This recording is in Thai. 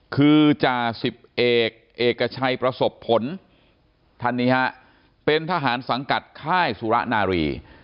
คือจ่าสิบเอกเอกชัยประสบผลท่านนี้ฮะเป็นทหารสังกัดค่ายสุระนารี